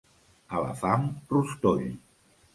A la fam, rostoll.